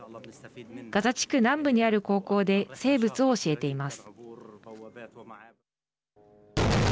ガザ地区南部にある高校で生物を教えています。